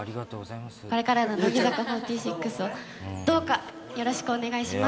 これからの乃木坂４６をどうかよろしくお願いします。